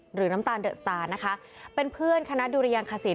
น้ำตาลเดอะสตาร์นะคะเป็นเพื่อนคณะดุรยังขสิน